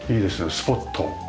スポット。